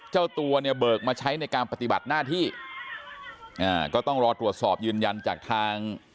เจ้าตัวเนี่ยเบิกมาใช้ในการปฏิบัติหน้าที่อ่าก็ต้องรอตรวจสอบยืนยันจากทาง